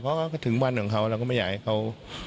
เพราะก็ถึงวันของเขาเราก็ไม่อยากให้เขา